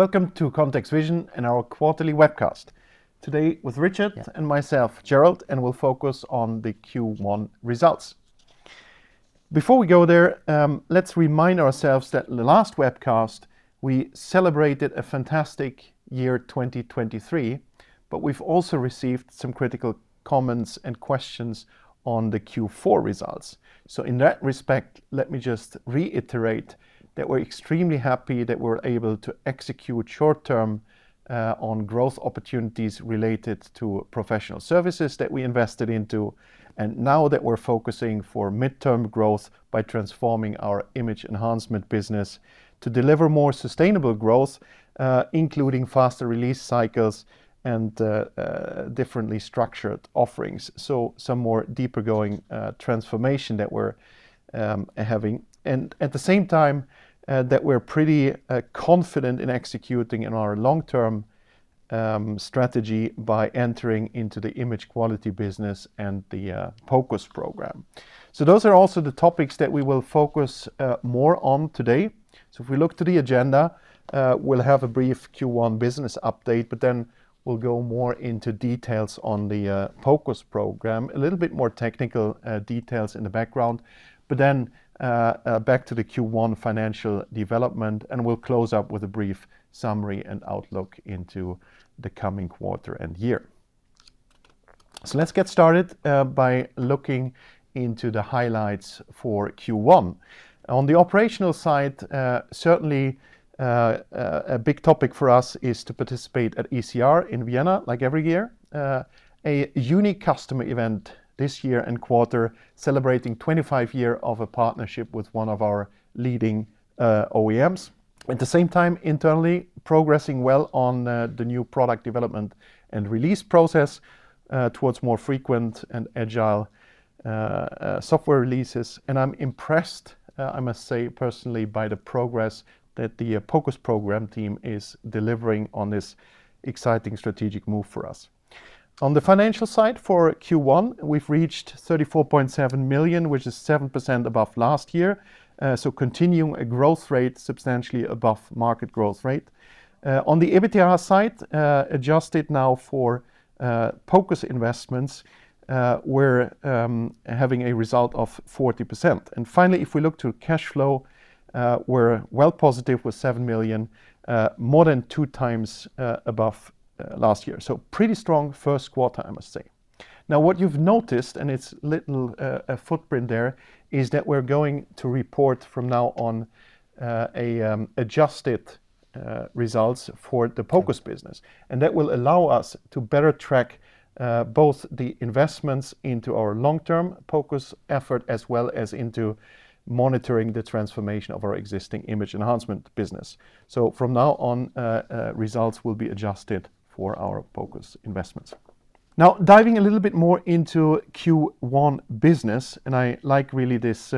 Welcome to ContextVision and our quarterly webcast. Today, with Richard and myself, Gerald, and we'll focus on the Q1 results. Before we go there, let's remind ourselves that in the last webcast, we celebrated a fantastic year, 2023, but we've also received some critical comments and questions on the Q4 results. So in that respect, let me just reiterate that we're extremely happy that we're able to execute short-term on growth opportunities related to professional services that we invested into, and now that we're focusing for mid-term growth by transforming our image enhancement business to deliver more sustainable growth, including faster release cycles and differently structured offerings. So some more deeper going transformation that we're having, and at the same time, that we're pretty confident in executing in our long-term strategy by entering into the image quality business and the POCUS program. So those are also the topics that we will focus more on today. So if we look to the agenda, we'll have a brief Q1 business update, but then we'll go more into details on the POCUS program. A little bit more technical details in the background, but then back to the Q1 financial development, and we'll close up with a brief summary and outlook into the coming quarter and year. So let's get started by looking into the highlights for Q1. On the operational side, certainly, a big topic for us is to participate at ECR in Vienna, like every year. A unique customer event this year and quarter, celebrating 25 year of a partnership with one of our leading OEMs. At the same time, internally, progressing well on the new product development and release process towards more frequent and agile software releases. And I'm impressed, I must say personally, by the progress that the POCUS program team is delivering on this exciting strategic move for us. On the financial side, for Q1, we've reached 34.7 million, which is 7% above last year, so continuing a growth rate substantially above market growth rate. On the EBITDA side, adjusted now for POCUS investments, we're having a result of 40%. And finally, if we look to cash flow, we're well positive with 7 million, more than 2 times above last year. So pretty strong first quarter, I must say. Now, what you've noticed, and it's a little footprint there, is that we're going to report from now on adjusted results for the POCUS business. And that will allow us to better track both the investments into our long-term POCUS effort, as well as into monitoring the transformation of our existing image enhancement business. So from now on results will be adjusted for our POCUS investments. Now, diving a little bit more into Q1 business, and I like really this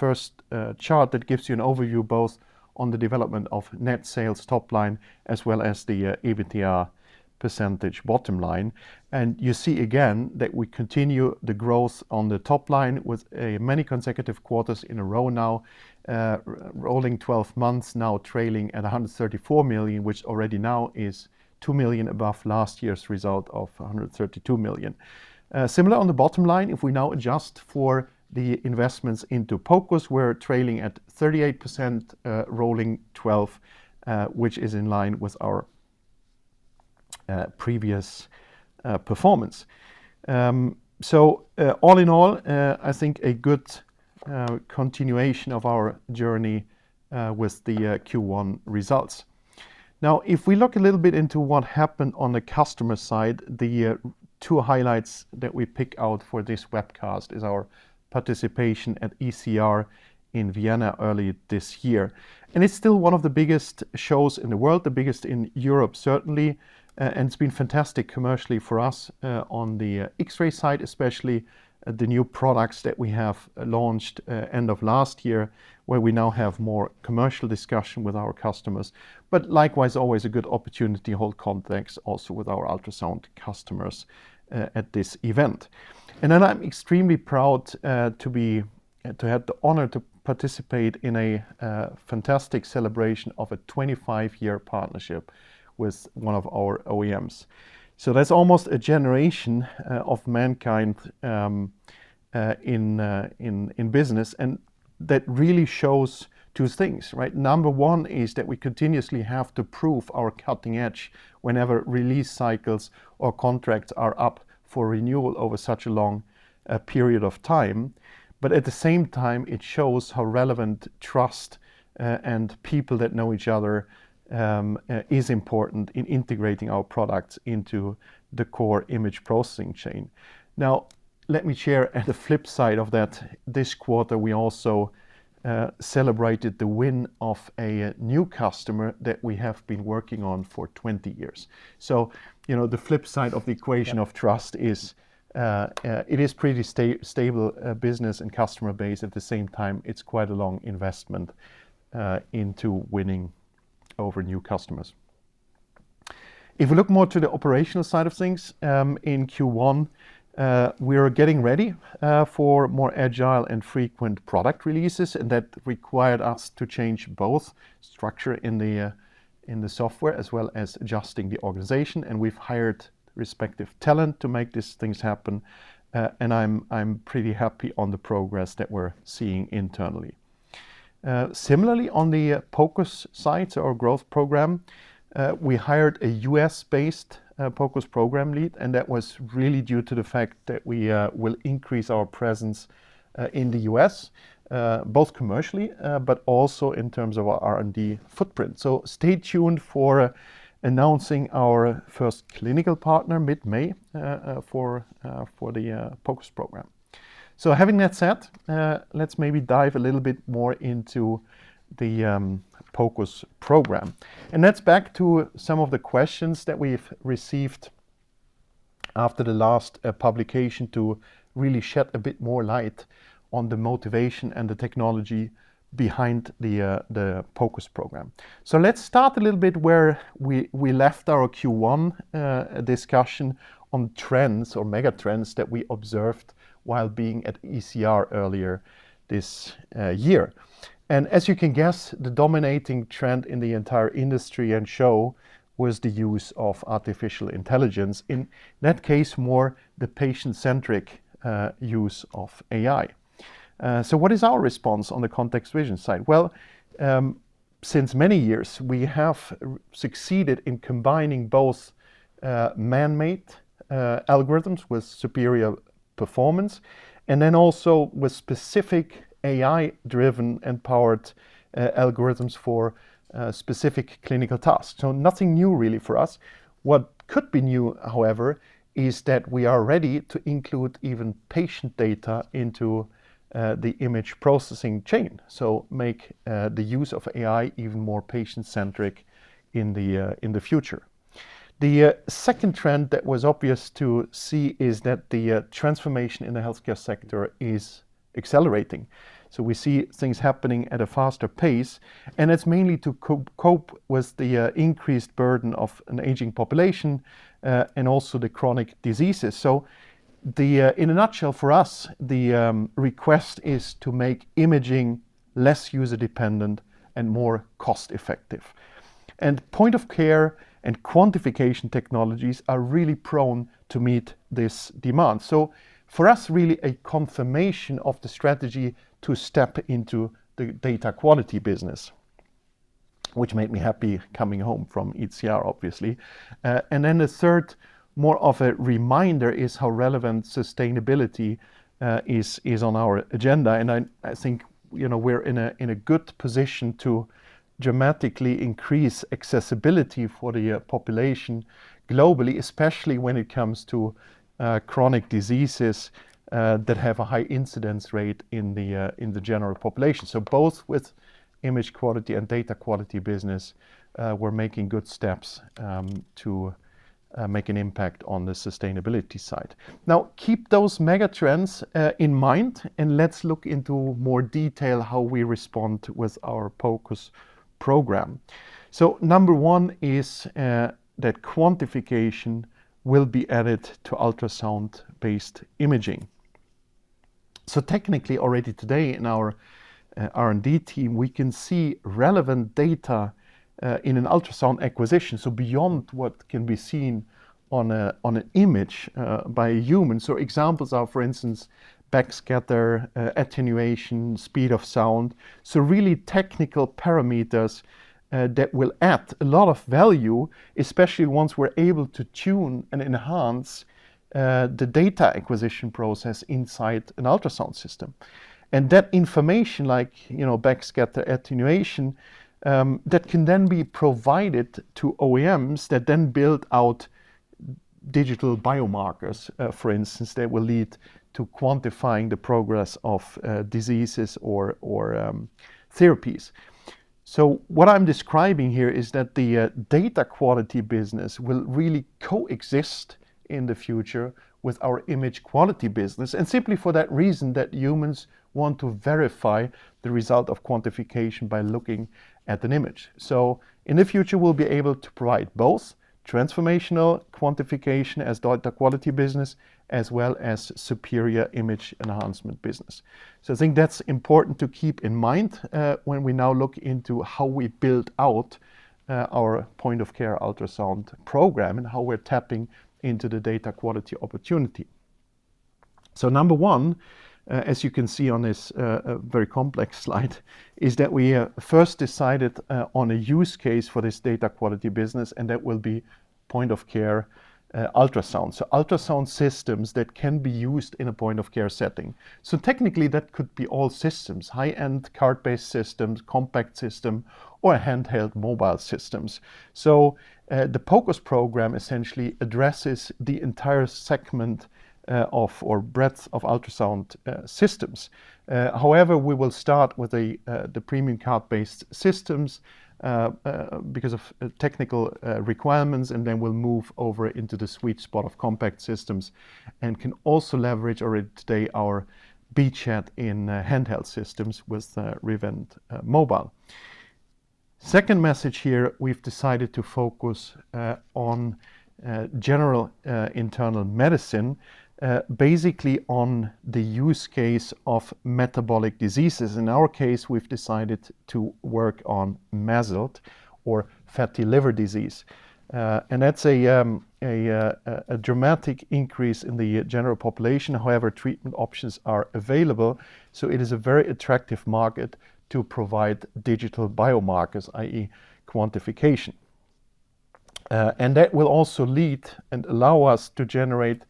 first chart that gives you an overview, both on the development of net sales top line, as well as the EBITDA % bottom line. And you see again, that we continue the growth on the top line with many consecutive quarters in a row now, rolling twelve months, now trailing at 134 million, which already now is 2 million above last year's result of 132 million. Similar on the bottom line, if we now adjust for the investments into POCUS, we're trailing at 38%, rolling twelve, which is in line with our previous performance. So, all in all, I think a good continuation of our journey with the Q1 results. Now, if we look a little bit into what happened on the customer side, the two highlights that we pick out for this webcast is our participation at ECR in Vienna earlier this year. It's still one of the biggest shows in the world, the biggest in Europe, certainly. It's been fantastic commercially for us on the X-ray side, especially the new products that we have launched end of last year, where we now have more commercial discussion with our customers. But likewise, always a good opportunity to hold contacts also with our ultrasound customers at this event. Then I'm extremely proud to have the honor to participate in a fantastic celebration of a 25-year partnership with one of our OEMs. So that's almost a generation of mankind in business, and that really shows two things, right? Number one is that we continuously have to prove our cutting edge whenever release cycles or contracts are up for renewal over such a long period of time. But at the same time, it shows how relevant trust and people that know each other is important in integrating our products into the core image processing chain. Now, let me share at the flip side of that, this quarter, we also celebrated the win of a new customer that we have been working on for 20 years. So, you know, the flip side of the equation of trust is it is pretty stable business and customer base. At the same time, it's quite a long investment into winning over new customers. If we look more to the operational side of things, in Q1, we are getting ready for more agile and frequent product releases, and that required us to change both structure in the in the software, as well as adjusting the organization, and we've hired respective talent to make these things happen. And I'm pretty happy on the progress that we're seeing internally. Similarly, on the POCUS side, our growth program, we hired a U.S.-based POCUS program lead, and that was really due to the fact that we will increase our presence in the U.S., both commercially, but also in terms of our R&D footprint. So stay tuned for announcing our first clinical partner mid-May for the POCUS program. So having that said, let's maybe dive a little bit more into the POCUS program. And that's back to some of the questions that we've received after the last publication, to really shed a bit more light on the motivation and the technology behind the POCUS program. So let's start a little bit where we left our Q1 discussion on trends or mega trends that we observed while being at ECR earlier this year. And as you can guess, the dominating trend in the entire industry and show was the use of artificial intelligence, in that case, more the patient-centric use of AI. So what is our response on the ContextVision side? Well, since many years, we have succeeded in combining both man-made algorithms with superior performance, and then also with specific AI-driven and powered algorithms for specific clinical tasks. So nothing new really for us. What could be new, however, is that we are ready to include even patient data into the image processing chain, so make the use of AI even more patient-centric in the future. The second trend that was obvious to see is that the transformation in the healthcare sector is accelerating. So we see things happening at a faster pace, and it's mainly to cope with the increased burden of an aging population and also the chronic diseases. So, in a nutshell, for us, the request is to make imaging less user-dependent and more cost-effective. Point of care and quantification technologies are really prone to meet this demand. So for us, really a confirmation of the strategy to step into the data quality business, which made me happy coming home from ECR, obviously. And then the third, more of a reminder, is how relevant sustainability is on our agenda, and I think, you know, we're in a good position to dramatically increase accessibility for the population globally, especially when it comes to chronic diseases that have a high incidence rate in the general population. So both with image quality and data quality business, we're making good steps to make an impact on the sustainability side. Now, keep those mega trends in mind, and let's look into more detail how we respond with our POCUS program. So number one is, that quantification will be added to ultrasound-based imaging. So technically, already today in our R&D team, we can see relevant data in an ultrasound acquisition, so beyond what can be seen on an image by a human. So examples are, for instance, backscatter, attenuation, speed of sound. So really technical parameters that will add a lot of value, especially once we're able to tune and enhance the data acquisition process inside an ultrasound system. And that information, like, you know, backscatter attenuation, that can then be provided to OEMs, that then build out digital biomarkers, for instance, that will lead to quantifying the progress of diseases or therapies. So what I'm describing here is that the data quality business will really coexist in the future with our image quality business, and simply for that reason, that humans want to verify the result of quantification by looking at an image. So in the future, we'll be able to provide both transformational quantification as data quality business, as well as superior image enhancement business. So I think that's important to keep in mind when we now look into how we build out our point-of-care ultrasound program and how we're tapping into the data quality opportunity. So number one, as you can see on this very complex slide, is that we first decided on a use case for this data quality business, and that will be point-of-care ultrasound. So ultrasound systems that can be used in a point-of-care setting. So technically, that could be all systems, high-end cart-based systems, compact system, or handheld mobile systems. So, the POCUS program essentially addresses the entire segment of the breadth of ultrasound systems. However, we will start with the premium cart-based systems because of technical requirements, and then we'll move over into the sweet spot of compact systems, and can also leverage already today our beachhead in handheld systems with Rivent Mobile. Second message here, we've decided to focus on general internal medicine, basically on the use case of metabolic diseases. In our case, we've decided to work on MASLD or fatty liver disease. And that's a dramatic increase in the general population. However, treatment options are available, so it is a very attractive market to provide digital biomarkers, i.e., quantification. That will also lead and allow us to generate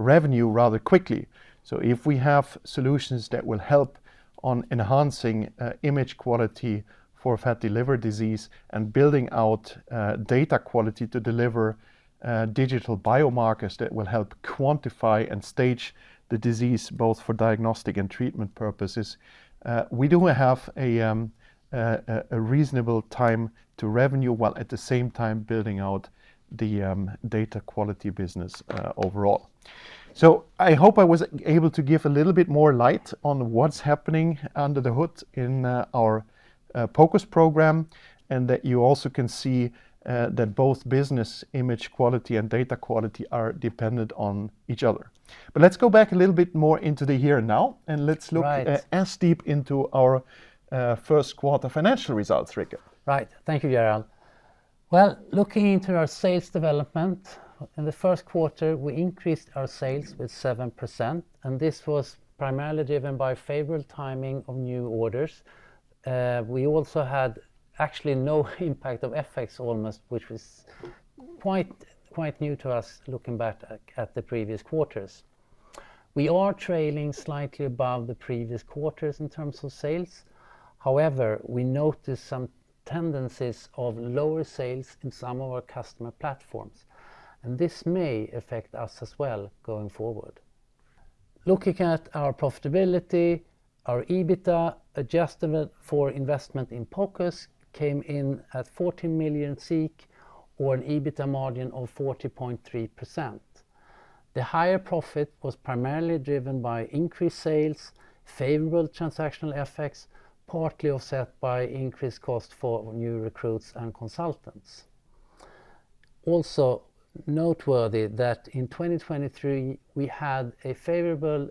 revenue rather quickly. So if we have solutions that will help on enhancing image quality for fatty liver disease and building out data quality to deliver digital biomarkers, that will help quantify and stage the disease, both for diagnostic and treatment purposes, we do have a reasonable time to revenue, while at the same time building out the data quality business overall. So I hope I was able to give a little bit more light on what's happening under the hood in our POCUS program, and that you also can see that both business image quality and data quality are dependent on each other. But let's go back a little bit more into the here and now, and let's look- Right. as deep into our first quarter financial results, Richard. Right. Thank you, Gerald. Well, looking into our sales development, in the first quarter, we increased our sales with 7%, and this was primarily driven by favorable timing of new orders. We also had actually no impact of FX almost, which was quite new to us, looking back at the previous quarters. We are trailing slightly above the previous quarters in terms of sales. However, we noticed some tendencies of lower sales in some of our customer platforms, and this may affect us as well going forward. Looking at our profitability, our EBITDA, adjusted for investment in POCUS, came in at 14 million, or an EBITDA margin of 40.3%. The higher profit was primarily driven by increased sales, favorable transactional effects, partly offset by increased cost for new recruits and consultants. Also noteworthy that in 2023, we had a favorable,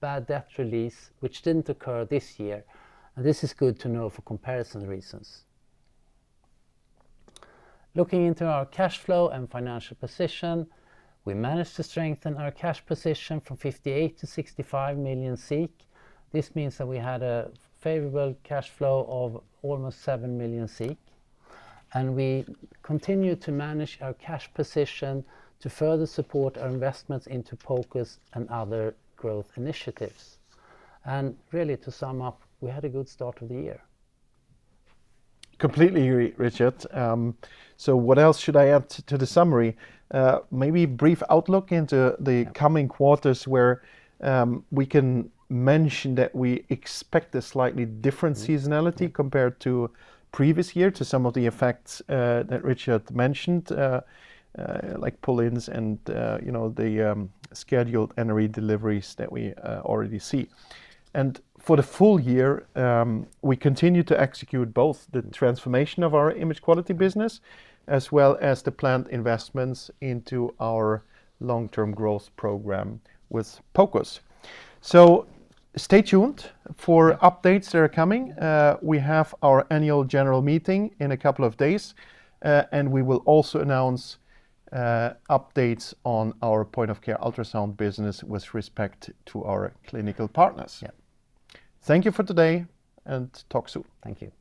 bad debt release, which didn't occur this year, and this is good to know for comparison reasons. Looking into our cash flow and financial position, we managed to strengthen our cash position from 58 million to 65 million. This means that we had a favorable cash flow of almost 7 million, and we continue to manage our cash position to further support our investments into POCUS and other growth initiatives. And really, to sum up, we had a good start of the year. Completely agree, Richard. So what else should I add to the summary? Maybe a brief outlook into the coming quarters, where we can mention that we expect a slightly different seasonality compared to previous year, to some of the effects that Richard mentioned, like pull-ins and, you know, the scheduled and redeliveries that we already see. And for the full year, we continue to execute both the transformation of our image quality business, as well as the planned investments into our long-term growth program with POCUS. So stay tuned for updates that are coming. We have our annual general meeting in a couple of days, and we will also announce updates on our point-of-care ultrasound business with respect to our clinical partners. Yeah. Thank you for today, and talk soon. Thank you.